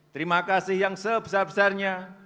terima kasih yang sebesar besarnya